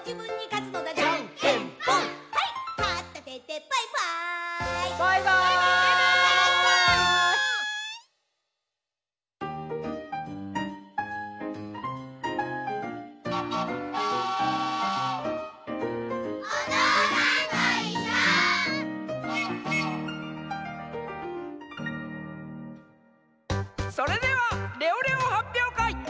それではレオレオはっぴょうかいスタートします！